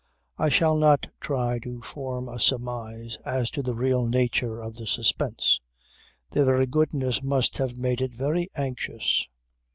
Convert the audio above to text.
I shall not try to form a surmise as to the real nature of the suspense. Their very goodness must have made it very anxious.